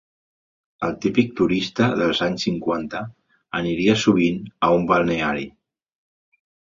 El típic turista dels anys cinquanta aniria sovint a un balneari